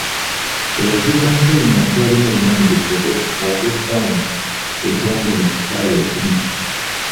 Eyazirwanako ye muntu alina obumanyirivu obw'ebbanga eggwanvu mu kisaawe ekimu.